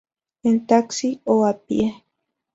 En taxi o a pie.